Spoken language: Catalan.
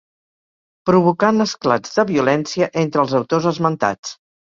Provocant esclats de violència entre els autors esmentats.